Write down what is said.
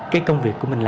cái công việc của mình